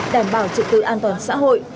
đảm bảo trực tư an toàn xã hội